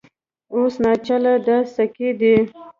اوس ناچله دا سکې دي